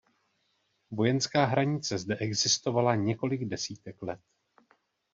Vojenská hranice zde existovala několik desítek let.